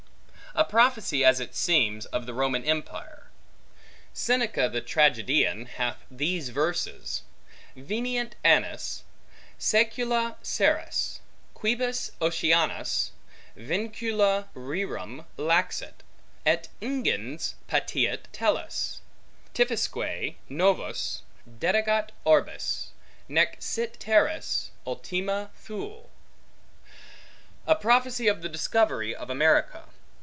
A prophecy, as it seems, of the Roman empire. Seneca the tragedian hath these verses: Venient annis Saecula seris, quibus Oceanus Vincula rerum laxet, et ingens Pateat Tellus, Tiphysque novos Detegat orbes; nec sit terris Ultima Thule: a prophecy of the discovery of America.